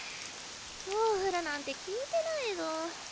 今日降るなんて聞いてないぞん？